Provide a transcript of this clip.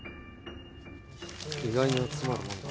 意外に集まるもんだな